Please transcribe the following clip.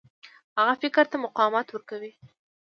هغه فکر ته مقاومت ورکوي.